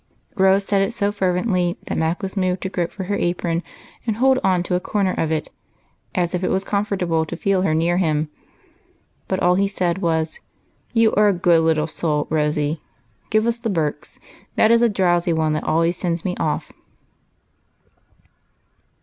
" Rose said it so fervently, that Mac was moved to grope for her apron and hold on to a corner of it, as if it was comfortable to feel her near him. But all he said was, —" You are a good little soul. Rosy. Give us ' The Birks;'that is a drowsy one that always sends me off."